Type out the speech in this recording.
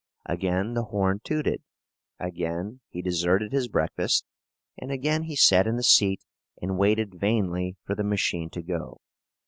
Again the horn tooted, again he deserted his breakfast, and again he sat in the seat and waited vainly for the machine to go.